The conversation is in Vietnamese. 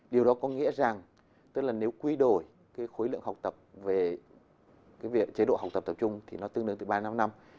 điều đó có nghĩa rằng tức là nếu quy đổi khối lượng học tập về chế độ học tập tập trung thì nó tương đương từ ba đến năm năm